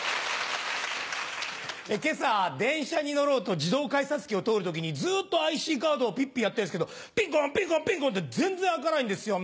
今朝電車に乗ろうと自動改札機を通る時にずっとＩＣカードをピッピやってるんですけどピンコンピンコンピンコンって全然開かないんですよ。